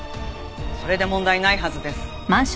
それで問題ないはずです。